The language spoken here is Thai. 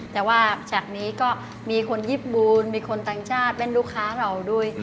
แต่ว่าจากนี้ก็มีคนญี่ปุ่นมีคนต่างชาติเล่นลูกค้าเราด้วย